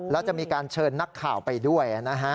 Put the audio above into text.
แล้วจะมีการเชิญนักข่าวไปด้วยนะฮะ